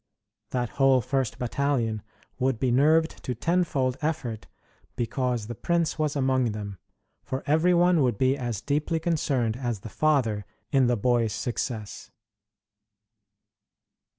That whole first battalion would be nerved to tenfold effort because the prince was among them, for every one would be as deeply concerned as the father in the boy's success.